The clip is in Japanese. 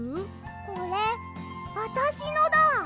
これあたしのだ。